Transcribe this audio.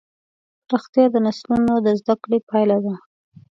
پراختیا د نسلونو د زدهکړې پایله ده.